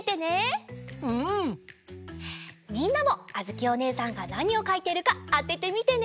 みんなもあづきおねえさんがなにをかいているかあててみてね！